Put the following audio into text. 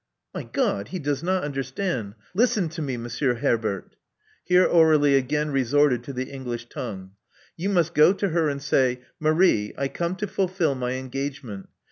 My God! he does not understand! Listen to me, Monsieur Herbert." Here Aur61ie again resorted to the English tongue. You must go to her and say, * Marie: I come to fulfil my engagement.'